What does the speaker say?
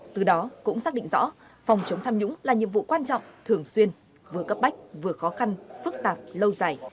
từ đó cũng xác định rõ phòng chống tham nhũng là nhiệm vụ quan trọng thường xuyên vừa cấp bách vừa khó khăn phức tạp lâu dài